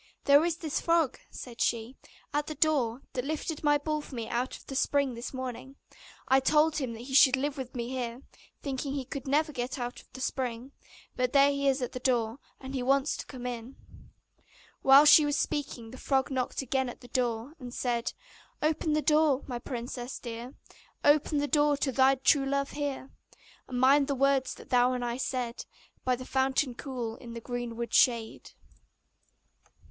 'There is a nasty frog,' said she, 'at the door, that lifted my ball for me out of the spring this morning: I told him that he should live with me here, thinking that he could never get out of the spring; but there he is at the door, and he wants to come in.' While she was speaking the frog knocked again at the door, and said: 'Open the door, my princess dear, Open the door to thy true love here! And mind the words that thou and I said By the fountain cool, in the greenwood shade.